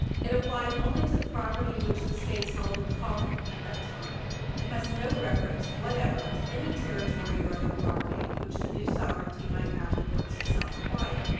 It applied only to the property which the States held in common at that time, and has no reference whatever to any territory or other property which the new sovereignty might afterwards itself acquire.